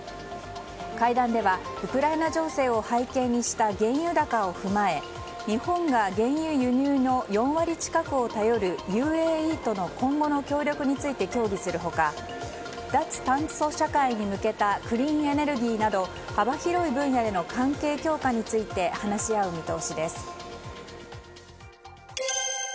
会談ではウクライナ情勢を背景にした原油高を踏まえ日本が原油輸入の４割近くを頼るＵＡＥとの今後の協力について協議する他脱炭素社会に向けたクリーンエネルギーなど幅広い分野での関係強化について話し合う見通しです。